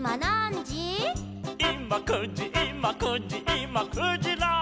「いま９じいま９じいま９じら」